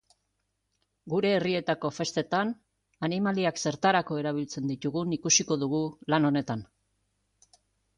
Gure herrietako festetan animaliak zertarako erabiltzen ditugun ikusiko dugu lan honetan.